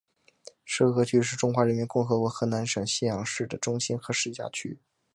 浉河区是中华人民共和国河南省信阳市的中心和市辖区。